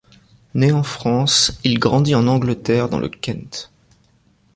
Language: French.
Né en France, il grandit en Angleterre, dans le Kent.